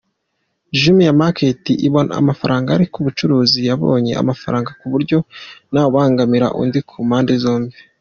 Jumia Market ibona amafaranga ari uko umucuruzi yabonye amafaranga, kuburyo ntawubangamira undi kumpande zombi.